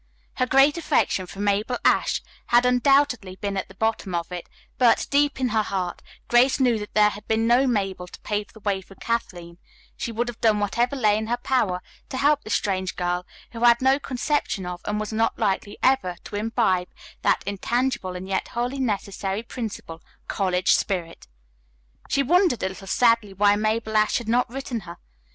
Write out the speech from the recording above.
Her great affection for Mabel Ashe had undoubtedly been at the bottom of it, but, deep in her heart, Grace knew that had there been no Mabel to pave the way for Kathleen, she would have done whatever lay in her power to help this strange girl, who had no conception of, and was not likely ever to imbibe, that intangible and yet wholly necessary principle, college spirit. She wondered a little sadly why Mabel Ashe had not written her.